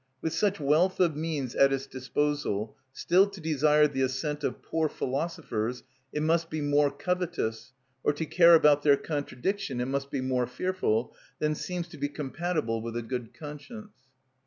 With such wealth of means at its disposal, still to desire the assent of poor philosophers it must be more covetous, or to care about their contradiction it must be more fearful, than seems to be compatible with a good conscience.